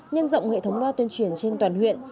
nhân rộng hệ thống loa tuyên truyền trên toàn huyện